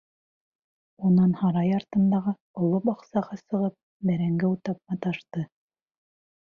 Унан һарай артындағы оло баҡсаға сығып бәрәңге утап маташты.